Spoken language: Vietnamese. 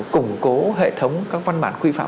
củng cố hệ thống các văn bản quy phạm